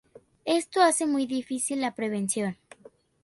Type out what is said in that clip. Esto hace muy difícil la prevención.